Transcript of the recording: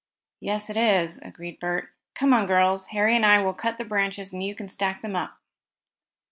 "Yes, it is," agreed Bert. "Come on, girls. Harry and I will cut the branches and you can stack them up."